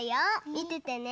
みててね。